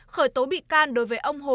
khởi tố bị can đối với ông hồ